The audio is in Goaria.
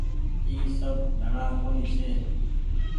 اي سب ڌڻآ ڪونيٚ ڇي۔